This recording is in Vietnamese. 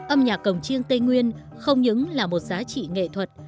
âm nhạc cổng chiêng tây nguyên không những là một giá trị nghệ thuật